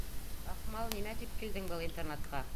— Аҡмал, нимә тип килдең был интернатҡа?